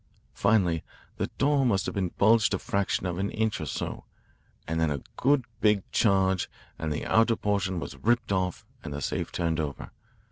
Finally the door must have bulged a fraction of an inch or so, and then a good big charge and the outer portion was ripped off and the safe turned over.